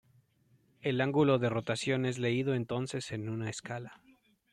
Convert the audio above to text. El ángulo de rotación es leído entonces en una escala.